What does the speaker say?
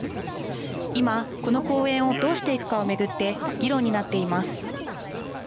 今、この公園をどうしていくかを巡って議論になっています。